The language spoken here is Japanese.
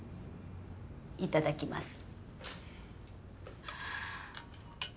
いただきます。